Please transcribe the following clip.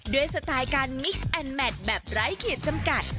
ด้วยสไตล์การมิกซ์แอนด์แมทแบบไร้เขียนสำกัด